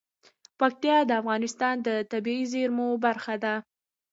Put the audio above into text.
پکتیا د افغانستان د طبیعي زیرمو برخه ده.